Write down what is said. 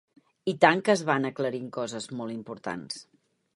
I tant que es van aclarint coses molt importants.